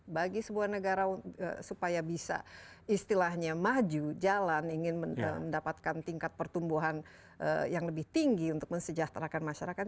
bagi sebuah negara supaya bisa istilahnya maju jalan ingin mendapatkan tingkat pertumbuhan yang lebih tinggi untuk mensejahterakan masyarakat